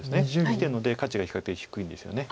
生きてるので価値が比較的低いんですよね。